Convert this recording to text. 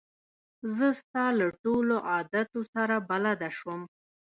زه ستا له ټولو عادتو سره بلده شوم.